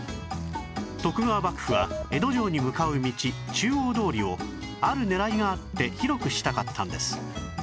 徳川幕府は江戸城に向かう道中央通りをある狙いがあって広くしたかったんです